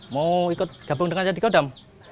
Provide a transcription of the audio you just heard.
mau ikut gabung dengan saya di kodam